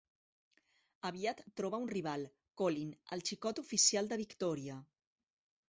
Aviat troba un rival, Colin, el xicot oficial de Victòria.